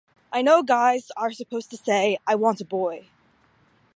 I know guys are supposed to say, 'I want a boy.